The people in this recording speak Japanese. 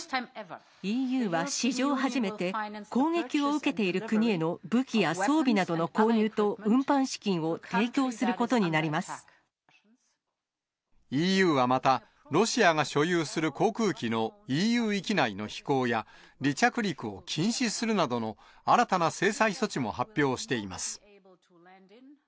ＥＵは史上初めて、攻撃を受けている国への武器や装備などの購入と運搬資金を提供すＥＵはまた、ロシアが所有する航空機のＥＵ域内の飛行や、離着陸を禁止するなどの新たな制裁措置も発表しています。